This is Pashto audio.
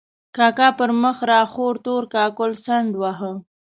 کاکا پر مخ را خور تور کاکل څنډ واهه.